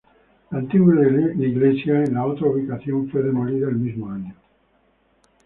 La antigua iglesia en la otra ubicación fue demolida el mismo año.